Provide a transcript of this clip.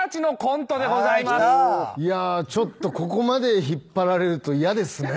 いやここまで引っ張られると嫌ですね。